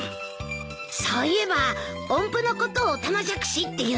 そういえば音符のことをオタマジャクシって言うよね。